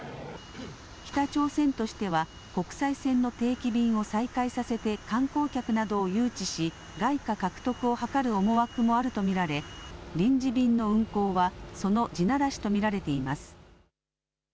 北朝鮮としては、国際線の定期便を再開させて観光客などを誘致し、外貨獲得を図る思惑もあると見られ、臨時便の運航は、その地ならしと見られています。